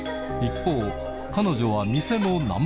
一方彼女はもう！